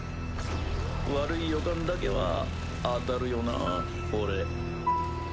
悪い予感だけは当たるよなぁ俺。